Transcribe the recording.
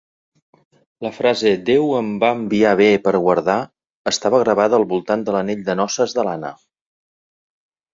La frase "Déu em va enviar bé per guardar" estava gravada al voltant de l'anell de noces de l'Anna.